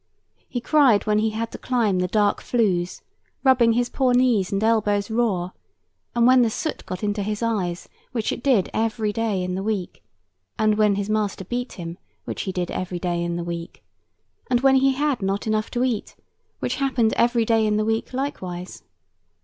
He cried when he had to climb the dark flues, rubbing his poor knees and elbows raw; and when the soot got into his eyes, which it did every day in the week; and when his master beat him, which he did every day in the week; and when he had not enough to eat, which happened every day in the week likewise.